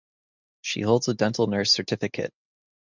She holds a dental nurse certificate.